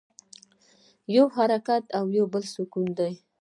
یو حرکت او بل سکون دی.